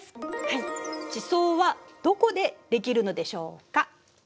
地層はどこでできるのでしょうか？